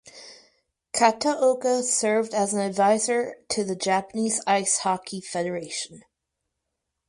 Kataoka served as an advisor to the Japanese Ice Hockey Federation.